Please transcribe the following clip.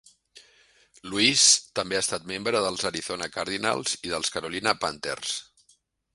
Lewis també ha estat membre dels Arizona Cardinals i dels Carolina Panthers.